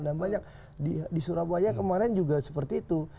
dan banyak di surabaya kemarin juga seperti itu